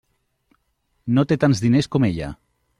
No té tants diners com ella.